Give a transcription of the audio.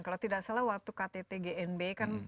kalau tidak salah waktu ktt gnb kan